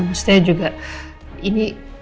maksudnya juga ini